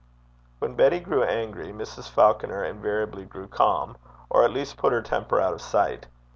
When Betty grew angry, Mrs. Falconer invariably grew calm, or, at least, put her temper out of sight.